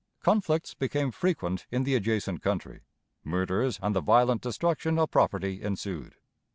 Conflicts became frequent in the adjacent country. Murders and the violent destruction of property ensued.